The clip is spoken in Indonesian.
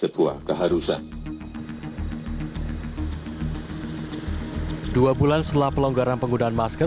kedua bulan setelah pelonggaran penggunaan masker